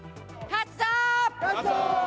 勝つぞ。